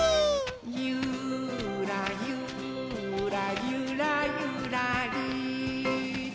「ゆーらゆーらゆらゆらりー」